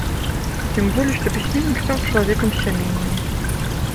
Тым болей, што пісьменнік стаў чалавекам сямейным.